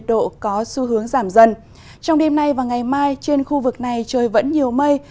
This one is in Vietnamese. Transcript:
trong đêm nay và ngày mai trên khu vực này trời vẫn nhiều mây